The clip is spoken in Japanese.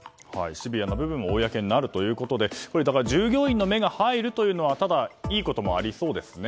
シビアな部分も公になるということで従業員の目が入るというのはただ、いいこともありそうですね。